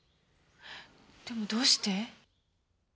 でもどうして？